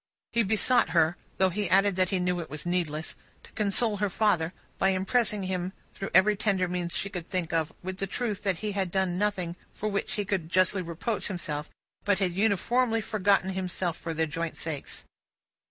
He besought her though he added that he knew it was needless to console her father, by impressing him through every tender means she could think of, with the truth that he had done nothing for which he could justly reproach himself, but had uniformly forgotten himself for their joint sakes.